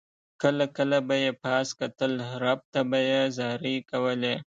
کله کله به یې پاس کتل رب ته به یې زارۍ کولې.